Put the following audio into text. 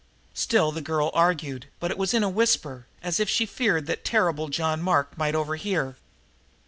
Still the girl argued, but it was in a whisper, as if she feared that terrible John Mark might overhear.